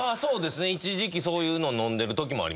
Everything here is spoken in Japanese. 一時期そういうの飲んでるときもありました。